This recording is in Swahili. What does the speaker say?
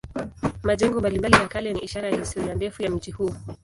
Majengo mbalimbali ya kale ni ishara ya historia ndefu ya mji huu.